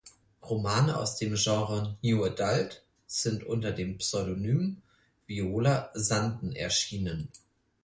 Romane aus dem Genre New Adult sind unter dem Pseudonym Viola Sanden erschienen.